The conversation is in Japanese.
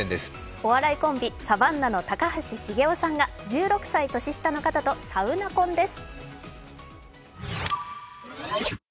お笑いコンビ、サヴァン他の高橋茂雄さんが１７歳年下とサウナ婚です。